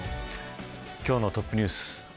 今日のトップニュース